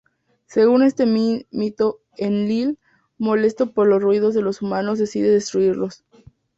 Según este mito Enlil, molesto por lo ruidoso de los humanos decide destruirlos.